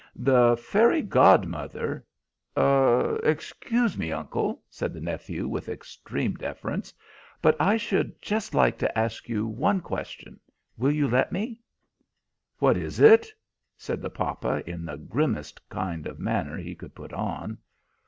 The fairy godmother " [Illustration: "'FIX DUSTERS! MAKE READY! AIM! DUST!'"] "Excuse me, uncle," said the nephew, with extreme deference, "but I should just like to ask you one question. Will you let me?" "What is it?" said the papa, in the grimmest kind of manner he could put on.